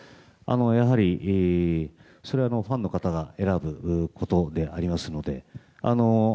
やはり、それはファンの方が選ぶことでありますので。